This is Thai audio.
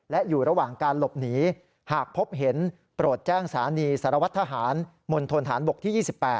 และอยู่ระหว่างการหลบหนีหากพบเห็นโปรดแจ้งสถานีสารวัตรทหารมณฑนฐานบกที่๒๘